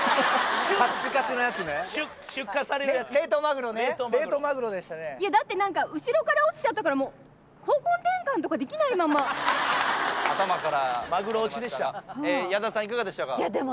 カッチカチのやつね出荷されるやつ・冷凍マグロねいやだって何か後ろから落ちちゃったからもう方向転換とかできないまま頭からマグロ落ちでした矢田さん